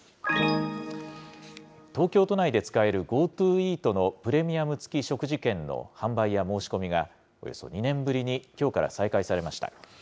東京都内で使えるＧｏＴｏイートのプレミアム付き食事券の販売や申し込みが、およそ２年ぶりにきょうから再開されました。